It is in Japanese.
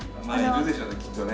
いるでしょうねきっとね。